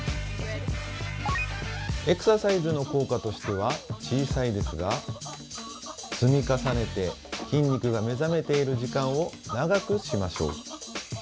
エクササイズの効果としては小さいですが積み重ねて筋肉が目覚めている時間を長くしましょう。